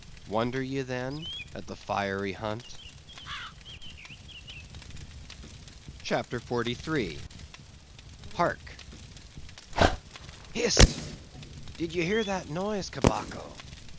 Wonder ye then at the fiery hunt? CHAPTER 43. Hark! "HIST! Did you hear that noise, Cabaco?"